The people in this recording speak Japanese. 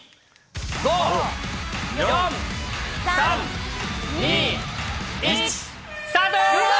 ５、４、３、２、１、スタート。